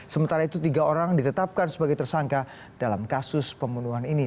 sementara itu tiga orang ditetapkan sebagai tersangka dalam kasus pembunuhan ini